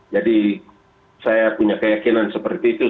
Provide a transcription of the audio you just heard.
jadi saya punya keyakinan seperti itu